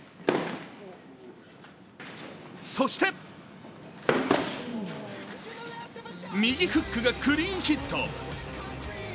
そして右フックがクリーンヒット。